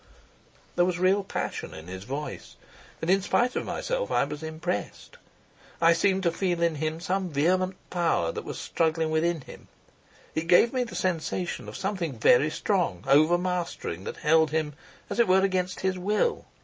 There was real passion in his voice, and in spite of myself I was impressed. I seemed to feel in him some vehement power that was struggling within him; it gave me the sensation of something very strong, overmastering, that held him, as it were, against his will.